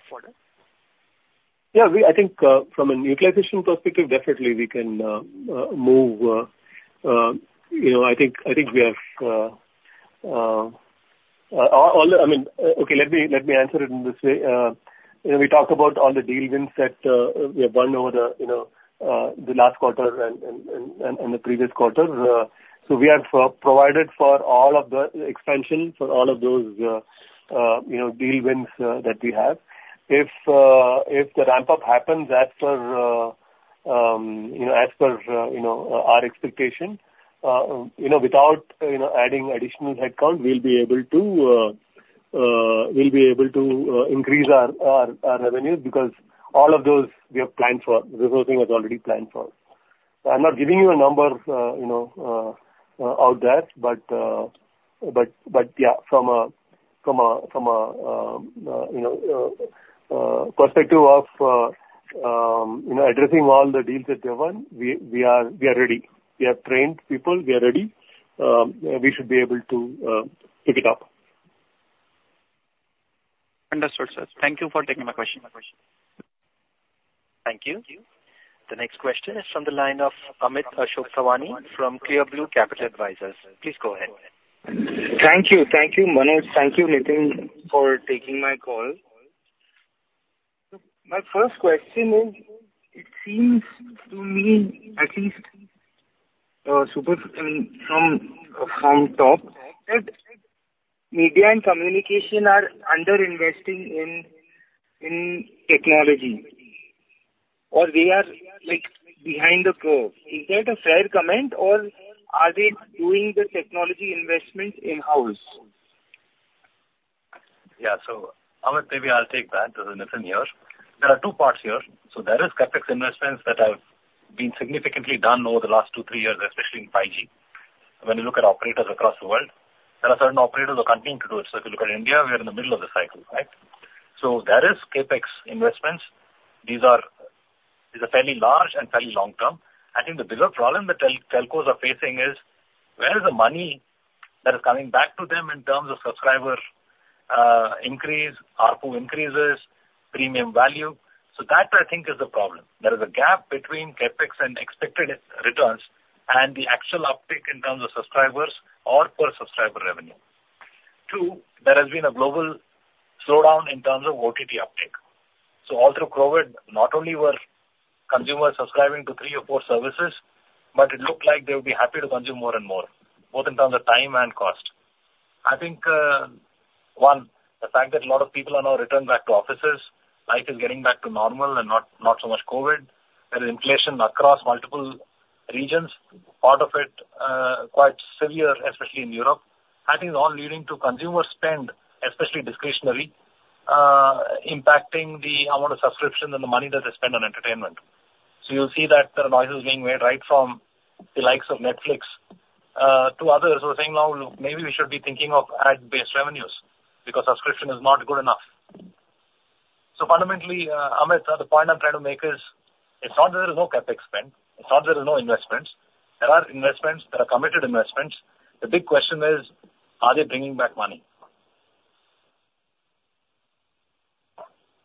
Yeah, we—I think from a utilization perspective, definitely we can move you know. I think we have all, I mean... Okay, let me answer it in this way. You know, we talked about all the deal wins that we have won over you know the last quarter and the previous quarters. So we have provided for all of the expansion for all of those you know deal wins that we have. If the ramp-up happens as per you know as per our expectation you know without adding additional headcount, we'll be able to increase our revenue because all of those we have planned for. Resourcing is already planned for. I'm not giving you a number, you know, of that, but yeah, from a perspective of, you know, addressing all the deals that we have won, we are ready. We have trained people, we are ready. We should be able to pick it up. Understood, sir. Thank you for taking my question. Thank you. The next question is from the line of Amit Ashok Thawani from Clear Blue Capital Advisors. Please go ahead. Thank you. Thank you, Manoj. Thank you, Nitin, for taking my call. My first question is, it seems to me at least, super, I mean, from top, that media and communication are underinvesting in technology, or they are, like, behind the curve. Is that a fair comment, or are they doing the technology investment in-house? Yeah. So, Amit, maybe I'll take that. This is Nitin here. There are two parts here. So there is CapEx investments that have been significantly done over the last two to three years, especially in 5G. When you look at operators across the world, there are certain operators who are continuing to do it. So if you look at India, we are in the middle of the cycle, right? So there is CapEx investments. These are, these are fairly large and fairly long-term. I think the bigger problem the telcos are facing is, where is the money that is coming back to them in terms of subscriber increase, ARPU increases, premium value? So that, I think, is the problem. There is a gap between CapEx and expected returns, and the actual uptick in terms of subscribers or per-subscriber revenue. Two, there has been a global slowdown in terms of OTT uptake. So all through COVID, not only were consumers subscribing to three or four services, but it looked like they would be happy to consume more and more, both in terms of time and cost. I think, one, the fact that a lot of people are now returning back to offices, life is getting back to normal and not, not so much COVID. There is inflation across multiple regions, part of it, quite severe, especially in Europe. I think it's all leading to consumer spend, especially discretionary, impacting the amount of subscription and the money that they spend on entertainment. So you'll see that the noise is being made right from the likes of Netflix, to others who are saying now, "Maybe we should be thinking of ad-based revenues because subscription is not good enough." So fundamentally, Amit, the point I'm trying to make is, it's not that there is no CapEx spend, it's not that there is no investments. There are investments, there are committed investments. The big question is, are they bringing back money?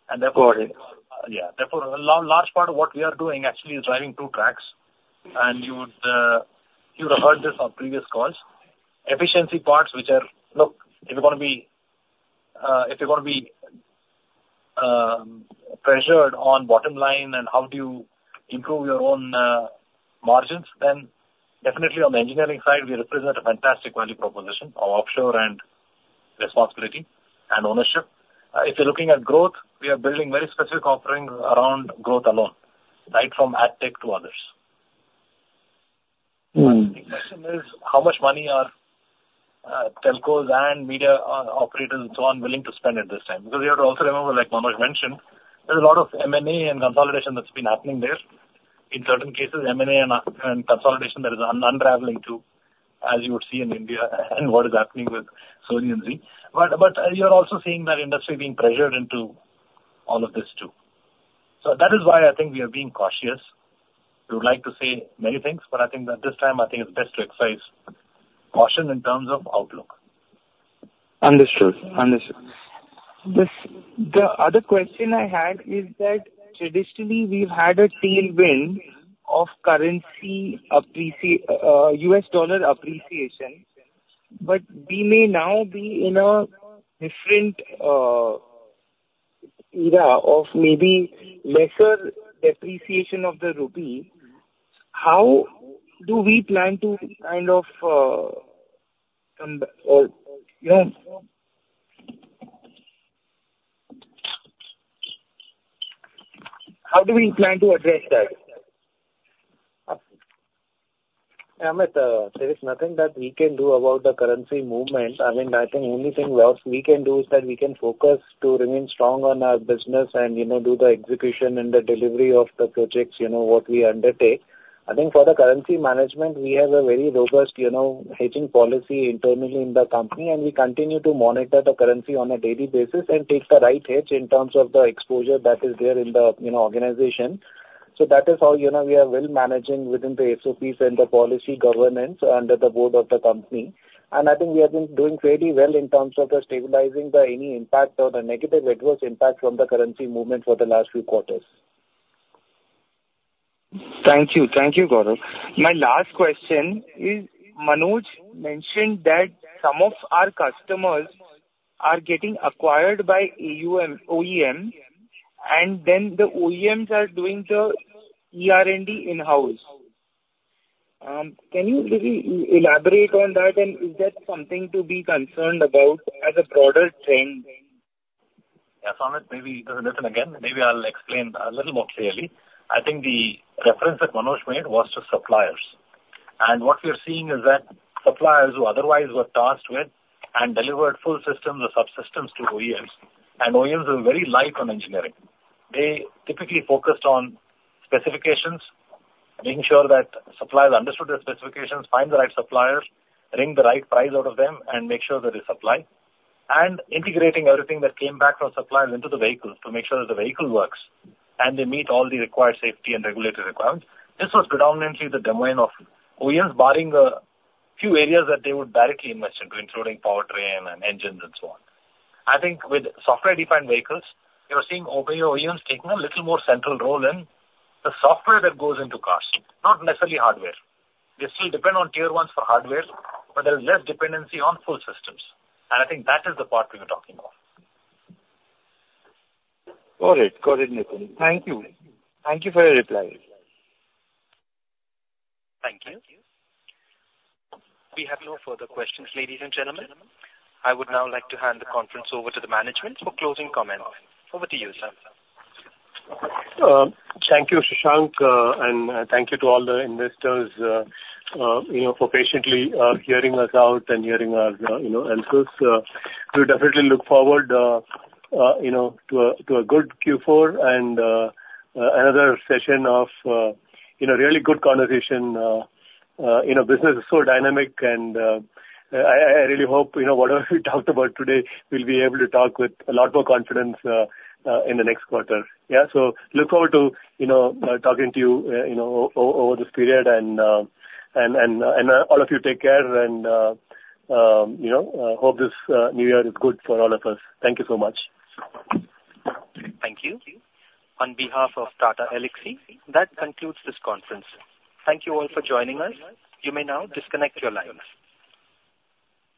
And therefore- Got it. Yeah. Therefore, a large part of what we are doing actually is driving two tracks, and you would, you would have heard this on previous calls. Efficiency parts, which are... Look, if you're gonna be, if you're gonna be pressured on bottom line and how do you improve your own margins, then definitely on the engineering side, we represent a fantastic value proposition of offshore and responsibility and ownership. If you're looking at growth, we are building very specific offerings around growth alone, right from AdTech to others. Mm-hmm. The big question is, how much money are telcos and media operators and so on, willing to spend at this time? Because you have to also remember, like Manoj mentioned, there's a lot of M&A and consolidation that's been happening there. In certain cases, M&A and consolidation that is unraveling too, as you would see in India and what is happening with Sony and Zee. But you are also seeing that industry being pressured into all of this, too. So that is why I think we are being cautious. We would like to say many things, but I think at this time, I think it's best to exercise caution in terms of outlook. Understood. Understood. This... The other question I had is that traditionally, we've had a tailwind of currency apprecia-- U.S. dollar appreciation, but we may now be in a different era of maybe lesser depreciation of the rupee. How do we plan to kind of come back or, you know... How do we plan to address that? Amit, there is nothing that we can do about the currency movement. I mean, I think only thing what we can do is that we can focus to remain strong on our business and, you know, do the execution and the delivery of the projects, you know, what we undertake. I think for the currency management, we have a very robust, you know, hedging policy internally in the company, and we continue to monitor the currency on a daily basis and take the right hedge in terms of the exposure that is there in the, you know, organization. So that is how, you know, we are well managing within the SOPs and the policy governance under the board of the company. I think we have been doing fairly well in terms of the stabilizing by any impact or the negative adverse impact from the currency movement for the last few quarters. Thank you. Thank you, Gaurav. My last question is, Manoj mentioned that some of our customers are getting acquired by OEM, and then the OEMs are doing the ER&D in-house. Can you maybe elaborate on that? And is that something to be concerned about as a broader trend? Yeah, Amit, maybe, listen again, maybe I'll explain a little more clearly. I think the reference that Manoj made was to suppliers. What we are seeing is that suppliers who otherwise were tasked with and delivered full systems or subsystems to OEMs, and OEMs were very light on engineering. They typically focused on specifications, making sure that suppliers understood the specifications, find the right suppliers, ring the right price out of them, and make sure that they supply, and integrating everything that came back from suppliers into the vehicles to make sure that the vehicle works, and they meet all the required safety and regulatory requirements. This was predominantly the domain of OEMs, barring a few areas that they would directly invest into, including powertrain and engines and so on. I think with software-defined vehicles, you are seeing OEMs taking a little more central role in the software that goes into cars, not necessarily hardware. They still depend on Tier 1s for hardware, but there is less dependency on full systems. I think that is the part we are talking about. Got it. Got it, Nitin. Thank you. Thank you for your reply. Thank you. We have no further questions, ladies and gentlemen. I would now like to hand the conference over to the management for closing comments. Over to you, Sir. Thank you, Shashank, and thank you to all the investors, you know, for patiently hearing us out and hearing our, you know, answers. We definitely look forward, you know, to a good Q4 and another session of, you know, really good conversation. You know, business is so dynamic, and I really hope, you know, whatever we talked about today, we'll be able to talk with a lot more confidence in the next quarter. Yeah, so look forward to, you know, talking to you, you know, over this period and all of you take care and, you know, hope this new year is good for all of us. Thank you so much. Thank you. On behalf of Tata Elxsi, that concludes this conference. Thank you all for joining us. You may now disconnect your lines.